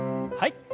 はい。